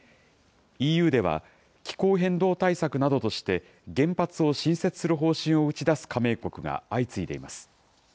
ＥＵでは、気候変動対策などとして、原発を新設する方針を打ち出す加盟国が相次いでいます。